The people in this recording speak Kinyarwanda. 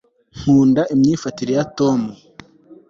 nkunda imyifatire ya tom